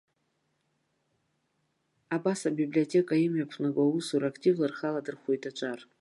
Абас абиблиотека имҩаԥнаго аусура активла рхы аладырхәуеит аҿар.